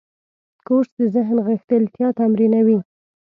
کورس د ذهن غښتلتیا تمرینوي.